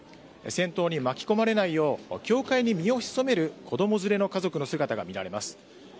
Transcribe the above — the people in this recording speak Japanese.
戦闘に巻き込まれないよう教会に身を潜める子供連れの家族の姿が見られます。